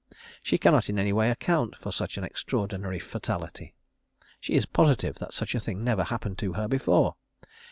She cannot in any way account for such an extraordinary fatality. She is positive that such a thing never happened to her before.